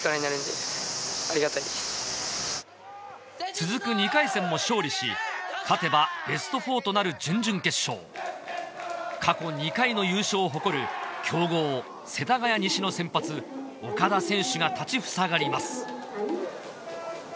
続く２回戦も勝利し勝てばベスト４となる準々決勝過去２回の優勝を誇る強豪世田谷西の先発岡田選手が立ちふさがります